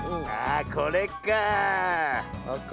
あこれかあ。